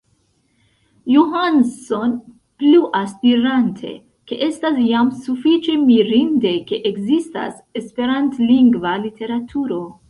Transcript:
Johansson pluas dirante, ke estas jam sufiĉe mirinde, ke ekzistas esperantlingva literaturo.